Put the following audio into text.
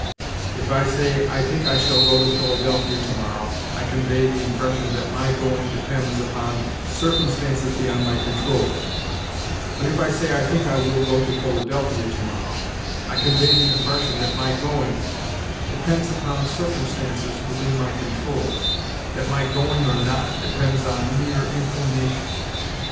If I say, "I think I shall go to Philadelphia to morrow," I convey the impression that my going depends upon circumstances beyond my control; but if I say, "I think I will go to Philadelphia to morrow," I convey the impression that my going depends upon circumstances within my control that my going or not depends on mere inclination.